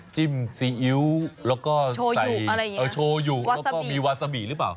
จิ้มซีอิ๊วแล้วก็ใส่โชว์อยู่แล้วก็มีวาซามิหรือเปล่า